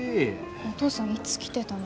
お父さんいつ来てたの？